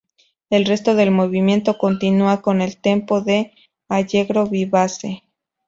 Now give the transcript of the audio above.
El resto del movimiento continúa con el "tempo" de "allegro vivace".